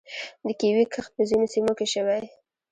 د کیوي کښت په ځینو سیمو کې شوی.